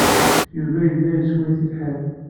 Yuba yella yessway tibḥirt.